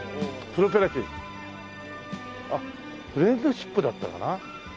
あっフレンドシップだったかな？